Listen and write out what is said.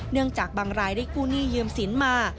เนื่องจากบางรายได้กู้หนี้เยี่ยมสินมา